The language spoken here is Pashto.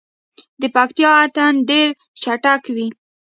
د پکتیا اتن ډیر چټک وي.